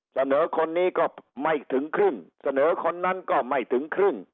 เสนอคนนี้ก็ไม่ถึงครึ่งเสนอคนนั้นก็ไม่ถึงครึ่ง